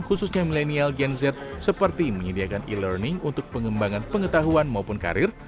khususnya milenial gen z seperti menyediakan e learning untuk pengembangan pengetahuan maupun karir